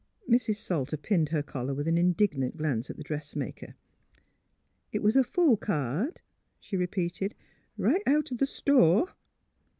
Mrs. Salter pinned her collar with an indignant glance at the dressmaker. '■' It was a full card, '' she repeated, '' right out th' store."